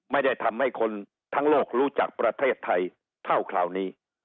ไม่ได้ทำให้คนทั้งโลกรู้จักประเทศไทยเท่าคราวนี้